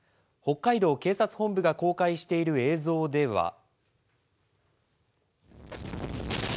北海道警察本部が公開している映像では。